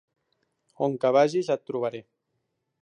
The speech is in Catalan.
On que vagis, et trobaré.